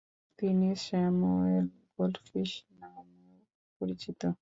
তিনি Samuel Goldfish নামেও পরিচিত।